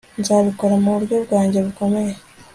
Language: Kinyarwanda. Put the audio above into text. Nzabikora muburyo bwanjye bukomeye